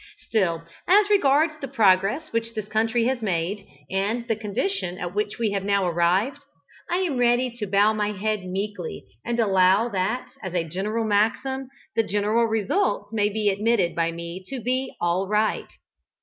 Still, as regards the progress which this country has made, and the condition at which we have now arrived, I am ready to bow my head meekly, and allow that as a general maxim, the general results may be admitted by me to be "all right."